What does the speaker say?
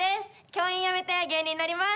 教員辞めて芸人になります。